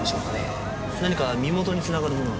何か身元につながるものは？